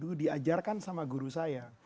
dulu diajarkan sama guru saya